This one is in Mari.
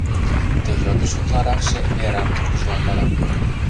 Ты йодыш утларакше Верам тургыжландара.